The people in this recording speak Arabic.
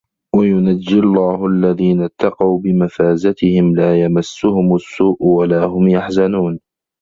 وَيُنَجِّي اللَّهُ الَّذينَ اتَّقَوا بِمَفازَتِهِم لا يَمَسُّهُمُ السّوءُ وَلا هُم يَحزَنونَ